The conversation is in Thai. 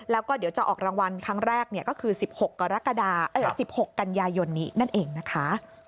แล้วก็เดี๋ยวจะออกรางวัลครั้งแรกก็คือ๑๖กรกฎา๑๖กันยายนนี้นั่นเองนะคะ